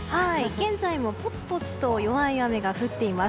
現在もぽつぽつと弱い雨が降っています。